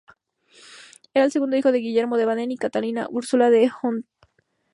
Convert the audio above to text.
Era el segundo hijo de Guillermo de Baden y Catalina Ursula de Hohenzollern-Hechingen.